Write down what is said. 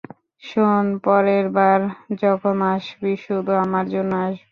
শোন, পরের বার যখন আসবি, শুধু আমার জন্য আসবি।